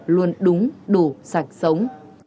luôn đúng đủ sạch sống